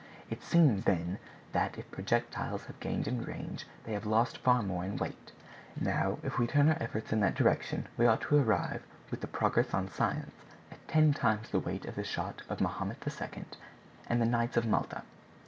It seems, then, that if projectiles have gained in range, they have lost far more in weight. Now, if we turn our efforts in that direction, we ought to arrive, with the progress on science, at ten times the weight of the shot of Mahomet II. and the Knights of Malta."